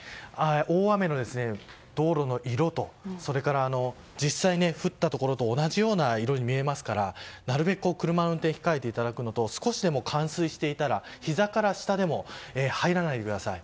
大雨の道路の色と実際に降ったところと同じような色に見えますからなるべく車の運転を控えていただくのと少しでも冠水していたらひざから下でも入らないでください。